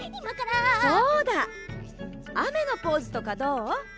そうだあめのポーズとかどう？